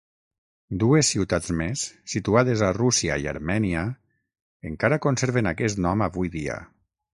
Dues ciutats més, situades a Rússia i Armènia, encara conserven aquest nom avui dia.